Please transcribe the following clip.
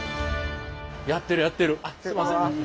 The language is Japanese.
やってるやってる。あっすんません。